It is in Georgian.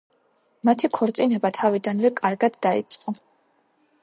მათი ქორწინება თავიდანვე კარგად დაიწყო.